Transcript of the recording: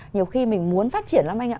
nhiều khi mình muốn phát triển lắm anh ạ